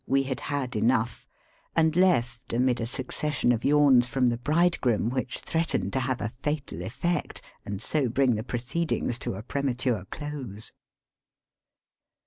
30 we had had enough, and left amid a succession of yawns from the bridegroom which threatened to have a fatal effect, and so bring the proceedings to a prematm'e close.